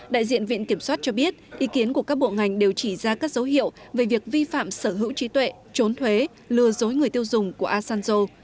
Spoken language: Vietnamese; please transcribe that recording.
đại diện viện kiểm soát cho biết ý kiến của các bộ ngành đều chỉ ra các dấu hiệu về việc vi phạm sở hữu trí tuệ trốn thuế lừa dối người tiêu dùng của asanzo